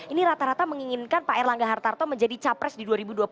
ini rata rata menginginkan pak erlangga hartarto menjadi capres di dua ribu dua puluh